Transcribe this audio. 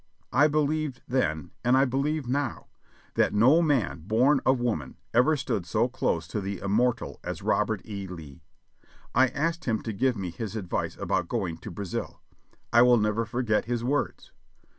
I believed then, and I believe now% that no man born of woman ever stood so close to the Immortal as Robert E. Lee. I asked him to give me his advice about going to Brazil. I will never forget his words.